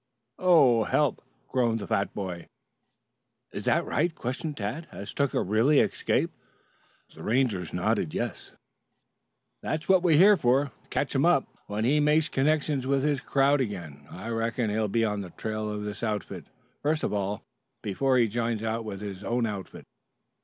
"Oh, help!" groaned the fat boy. "Is this right?" questioned Tad. "Has Tucker really escaped?" The Rangers nodded. "That's what we're here for, to catch him up when he makes connections with his crowd again. I reckon he'll be on the trail of this outfit, first of all, before he joins out with his own outfit.